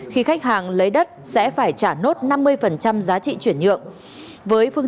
khi khách hàng lấy đất sẽ phải trả nốt năm mươi giá trị chuyển nhượng